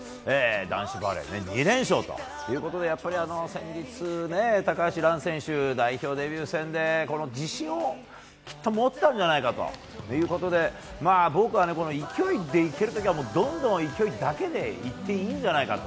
男子バレー、２連勝ということでやっぱり先日、高橋藍選手代表デビュー戦で自信を持てたんじゃないかということで僕は勢いでいける時はどんどん勢いだけでいっていいんじゃないかと。